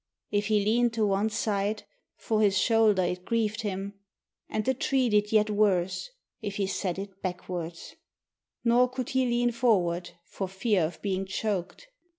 If he leaned to one side, for his shoulder it grieved him And the tree did yet worse, if he set it backwards. Nor could he lean forward for fear of being choked.